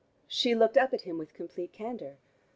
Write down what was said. She looked up at him with complete candor.